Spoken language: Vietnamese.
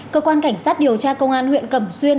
cơ quan cảnh sát điều tra công an huyện cẩm xuyên